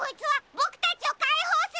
ぼくたちをかいほうするきなんて。